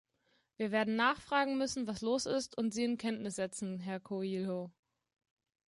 Wir werden nachfragen müssen, was los ist, und Sie in Kenntnis setzten, Herr Coelho.